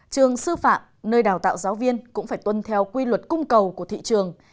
trường sư phạm nơi đào tạo giáo viên cũng phải tuân theo quy luật cung cầu của thị trường